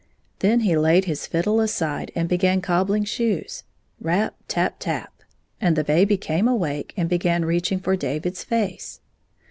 Then he laid his fiddle aside and began cobbling shoes, rap tap tap! and the baby came awake and began reaching for David's face.